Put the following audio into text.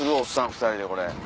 ２人でこれ。